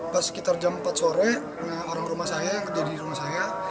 pas sekitar jam empat sore orang rumah saya yang kerja di rumah saya